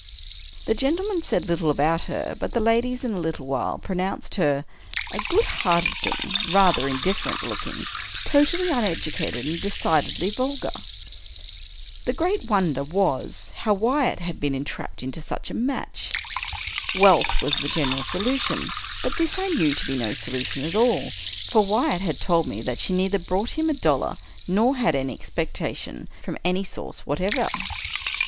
The gentlemen said little about her; but the ladies, in a little while, pronounced her " a good hearted thing, rather indifferent looking, totally uneducated, and decidedly vul gar." The great wonder was, how Wyatt had been en trapped into such a match. Wealth was the general solu tion — but this I knew to be no solution at all ; for Wyatt had told me that she neither brought him a dollar nor had any expectations from any source whatever.